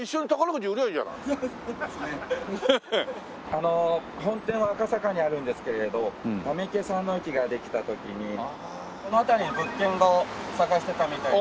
あの本店は赤坂にあるんですけれど溜池山王駅ができた時にこの辺りに物件を探してたみたい。